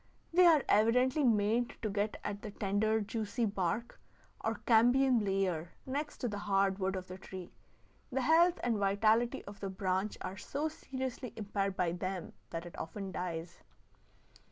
They are evidently made to get at the tender, juicy bark, or cambium layer, next to the hard wood of the tree. The health and vitality of the branch are so seriously impaired by them that it often dies.